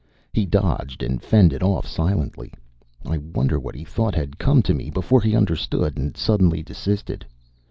He dodged and fended off silently. I wonder what he thought had come to me before he understood and suddenly desisted.